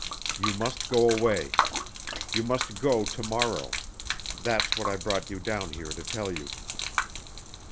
"You must go away. You must go to morrow. That's what I brought you down here to tell you."